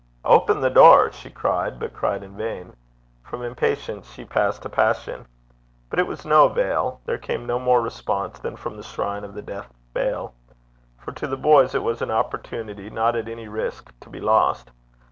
'Open the door!' she cried, but cried in vain. From impatience she passed to passion; but it was of no avail: there came no more response than from the shrine of the deaf Baal. For to the boys it was an opportunity not at any risk to be lost.